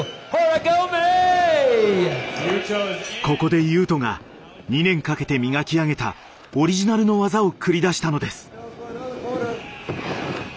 ここで雄斗が２年かけて磨き上げたオリジナルの技を繰り出したのです。